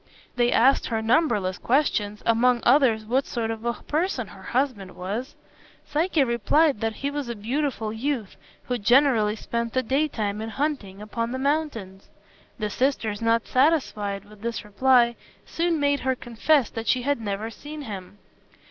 They asked her numberless questions, among others what sort of a person her husband was. Psyche replied that he was a beautiful youth, who generally spent the daytime in hunting upon the mountains. The sisters, not satisfied with this reply, soon made her confess that she had never seen him.